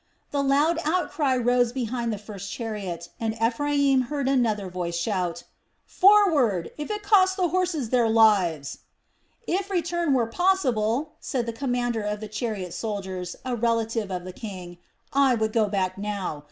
A loud out cry rose behind the first chariot, and Ephraim heard another voice shout: "Forward, if it costs the horses their lives!" "If return were possible," said the commander of the chariot soldiers, a relative of the king, "I would go back now.